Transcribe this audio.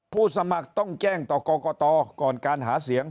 ผู้สมัครต้องแจ้งต่อกุ๊กก่อตต่อก่อนการหาเสียง